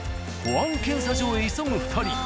保安検査場へ急ぐ２人。